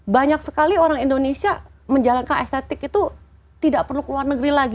banyak sekali orang indonesia menjalankan estetik itu tidak perlu ke luar negeri lagi